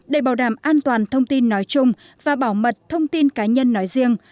để bảo đảm an toàn thông tin nói chung và bảo mật thông tin cá nhân nói riêng